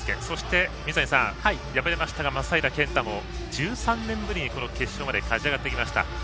そして、水谷さん敗れましたが松平健太も１３年ぶりに決勝まで勝ち上がってきました。